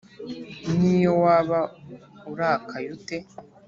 niyo waba urakaye ute